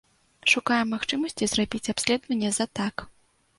Шукаем магчымасці зрабіць абследаванне за так.